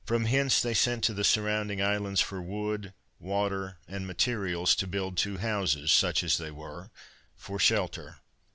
From hence they sent to the surrounding islands for wood, water and materials to build two houses, such as they were, for shelter.